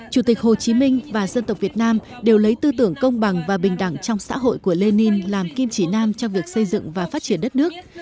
chủ tịch hồ chí minh và dân tộc việt nam đều lấy tư tưởng công bằng và bình đẳng trong xã hội của lenin làm kim chỉ nam trong việc xây dựng và phát triển đất nước